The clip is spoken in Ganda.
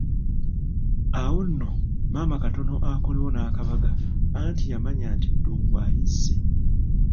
Awo nno maama katono akolewo n'akabaga anti yamanya nti Ddungu ayizze.